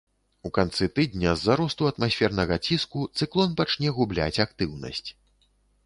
У канцы тыдня з-за росту атмасфернага ціску цыклон пачне губляць актыўнасць.